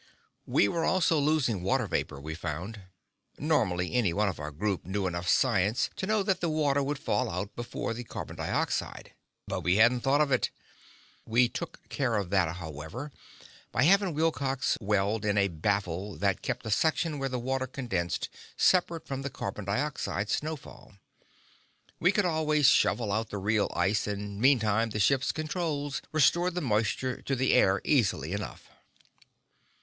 We were also losing water vapor, we found; normally, any one of our group knew enough science to know that the water would fall out before the carbon dioxide, but we hadn't thought of it. We took care of that, however, by having Wilcox weld in a baffle and keep the section where the water condensed separate from the carbon dioxide snowfall. We could always shovel out the real ice, and meantime the ship's controls restored the moisture to the air easily enough.